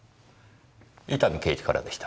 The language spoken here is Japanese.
伊丹刑事からでした。